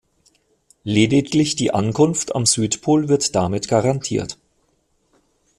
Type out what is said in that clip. Lediglich die Ankunft am Südpol wird damit garantiert.